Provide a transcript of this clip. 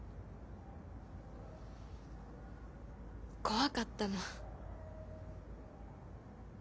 怖かったの。